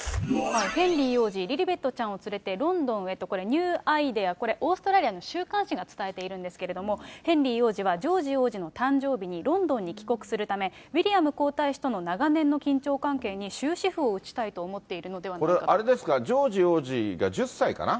ヘンリー王子、リリベットちゃんを連れて、ロンドンへと、これ、ニューアイデア、これ、オーストラリアの週刊誌が伝えているんですけれども、ヘンリー王子はジョージ王子の誕生日にロンドンに帰国するため、ウィリアム皇太子との長年の緊張関係に終止符を打ちたいと思ってこれ、あれですか、ジョージ王子が１０歳かな。